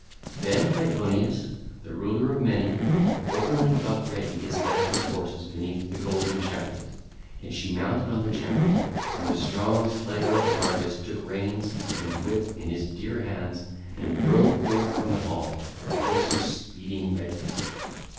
Then Aidoneus the Ruler of Many openly got ready his deathless horses beneath the golden chariot. And she mounted on the chariot, and the strong Slayer of Argos took reins and whip in his dear hands and drove forth from the hall, the horses speeding readily.